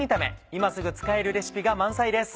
今すぐ使えるレシピが満載です。